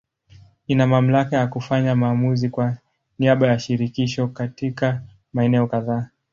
Ina mamlaka ya kufanya maamuzi kwa niaba ya Shirikisho katika maeneo kadhaa.